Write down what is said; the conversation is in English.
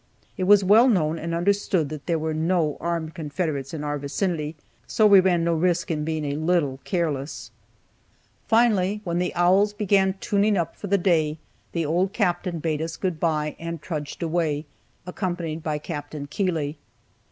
It was well known and understood that there were no armed Confederates in our vicinity, so we ran no risk in being a little careless. Finally, when the owls began tuning up for day, the old Captain bade us good by, and trudged away, accompanied by Capt. Keeley.